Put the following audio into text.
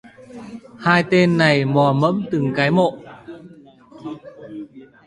Hai tên này mò mẫm từng cái mộ